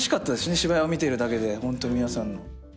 芝居を見ているだけで本当皆さんの。